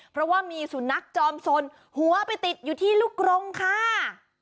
เพราะว่ามีสุนัขจอมสนหัวไปติดอยู่ที่ลูกกรงค่ะ